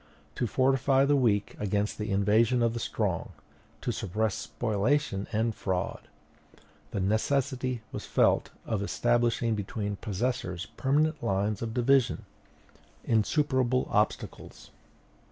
To fortify the weak against the invasion of the strong, to suppress spoliation and fraud, the necessity was felt of establishing between possessors permanent lines of division, insuperable obstacles.